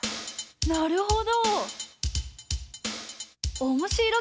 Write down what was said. なるほど！